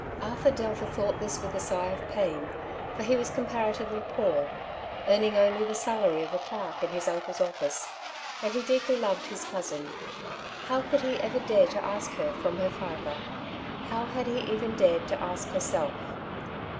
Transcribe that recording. Arthur Delta thought this with a sigh of pain, for he was comparatively poor, earning only the salary of a clerk in his uncle's office, and he deeply loved his cousin. How could he ever dare to ask her from her father ? How had he even dared to ask herself?